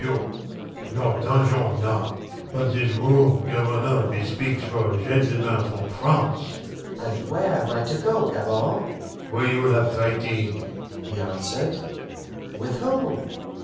Not dungeon now, but this room Governor bespeaks for gentlemen from France." "And where am I to go, Gabord?" "Where you will have fighting," he answered. "With whom?"